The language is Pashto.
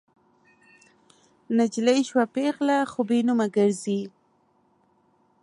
نجلۍ شوه پیغله خو بې نومه ګرزي